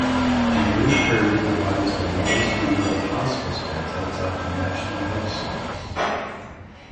Marie Curie provides the largest number of hospice beds outside the National Health Service.